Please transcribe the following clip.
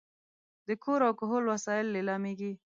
د کور او کهول وسایل لیلامېږي.